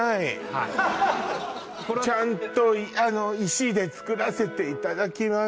はいちゃんと石でつくらせていただきます